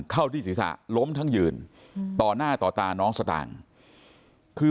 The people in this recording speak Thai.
เข้าที่ศีรษะล้มทั้งยืนต่อหน้าต่อตาน้องสตางค์คือ